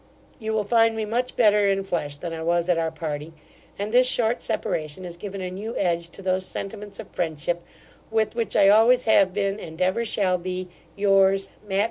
You will find me much better in flesh than I was at our parting; and this short separation has given a new edge to those sentiments of friendship with which I always have been, and ever shall be, Yours, MATT.